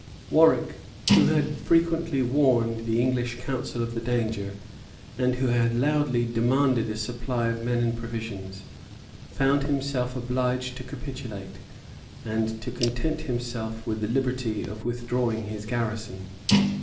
[] Warwick, who had frequently warned the English council of the danger, and who had loudly demanded a supply of men and provisions, found himself obliged to capitulate, and to content himself with the liberty of withdrawing his garrison.